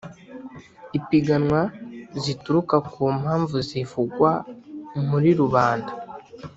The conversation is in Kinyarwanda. ipiganwa zituruka ku mpamvu zivugwa muri rubanda